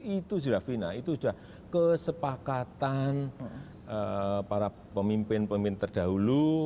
itu sudah final itu sudah kesepakatan para pemimpin pemimpin terdahulu